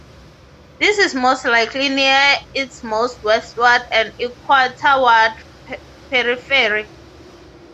This is most likely near its most westward and equatorward periphery.